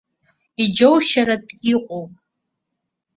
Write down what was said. Иџьоушьартә иҟоуп.